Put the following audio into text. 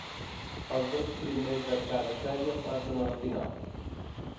Els dos primers de cada sèrie passen a la final.